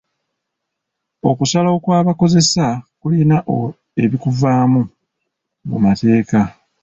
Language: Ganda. Okusalawo kw'abakozesa kuyina ebikuvaamu mu mateeka.